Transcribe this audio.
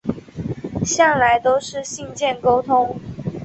向来都是信件沟通